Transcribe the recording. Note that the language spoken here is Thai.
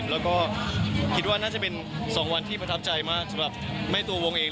แล้วก็คิดว่าน่าจะเป็น๒วันที่ประทับใจมากสำหรับแม่ตัววงเอง